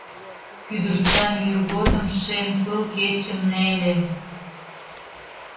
Кӱдырчан йӱр годым Шем пыл кечым неле.